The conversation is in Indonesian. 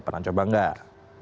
pernah coba enggak